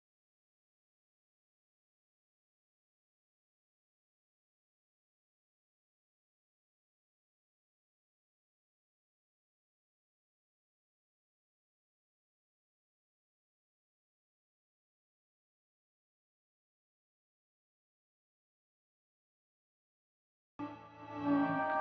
saya sudah berhenti